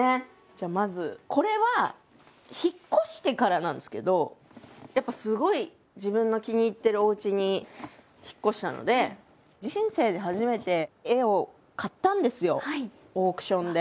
じゃあまずこれは引っ越してからなんですけどやっぱすごい自分の気に入ってるおうちに引っ越したので人生で初めて絵を買ったんですよオークションで。